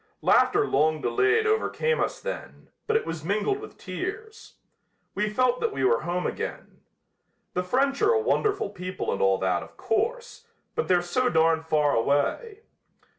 Laughter long delayed overcame us then, but it was mingled with tears. We felt that we were home again. The French are a wonderful people and all that, of course, but they're so darn far away.